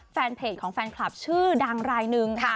แฟนเพจของแฟนคลับชื่อดังรายหนึ่งค่ะ